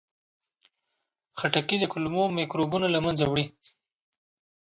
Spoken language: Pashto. خټکی د کولمو میکروبونه له منځه وړي.